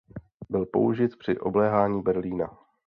Byl použit při obléhání Berlína.